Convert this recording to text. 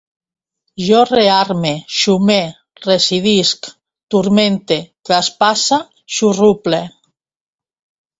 Jo rearme, xume, residisc, turmente, traspasse, xurruple